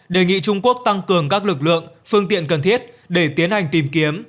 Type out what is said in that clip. đề nghị trung quốc tăng cường các lực lượng phương tiện cần thiết để tiến hành tìm kiếm